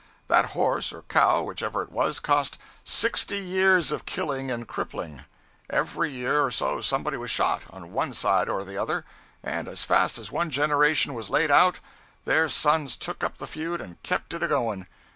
That horse or cow, whichever it was, cost sixty years of killing and crippling! Every year or so somebody was shot, on one side or the other; and as fast as one generation was laid out, their sons took up the feud and kept it a going.